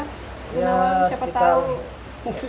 enam siapa tahu